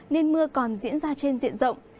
nên mưa còn diễn ra trên diện rộng